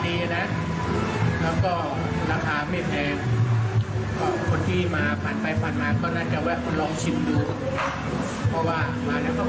คนที่มาผ่านไปผ่านมาก็น่าจะแวะลองชิมดู